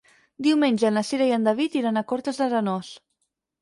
Diumenge na Cira i en David iran a Cortes d'Arenós.